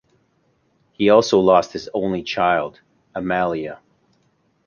He also lost his only child, Amalia.